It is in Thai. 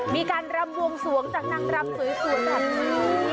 มีการรำบวงสวงจากนางรำสวยแบบนี้